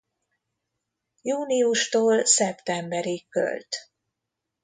Júniustól szeptemberig költ.